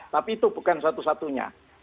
tapi itu bukan satu satunya